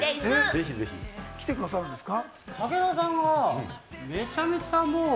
ぜひぜひ。来てくださるんですか？